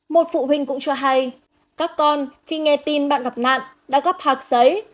một phụ huynh cũng cho hay các con khi nghe tin bạn gặp nạn đã gấp hạc giấy